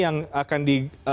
yang akan di